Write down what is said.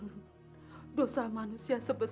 menyembahkan diri saya